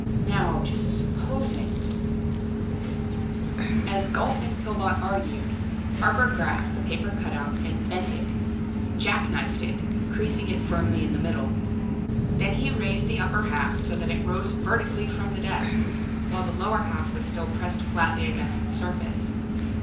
Now, just supposing the.... As Gault and Pillbot argued, Harper grasped the paper cutout, and bent it, "jacknifed" it, creasing it firmly in the middle. Then he raised the upper half so that it rose vertically from the desk, while the lower half was still pressed flatly against the desk surface.